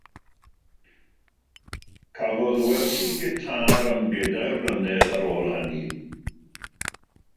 Cafodd wersi gitâr am bedair blynedd ar ôl hynny.